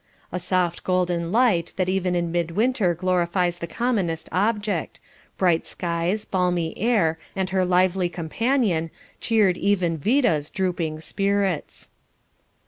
A soft golden light that even in mid winter glorifies the commonest object; bright skies, balmy air, and her lively companion, cheered even Vida's drooping spirits.